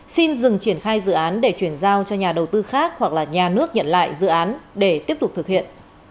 xin dừng triển khai dự án để chuyển giao cho nhà đầu tư khác hoặc là nhà nước nhận lại dự án để tiếp tục thực hiện